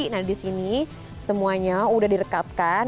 nah disini semuanya udah direkatkan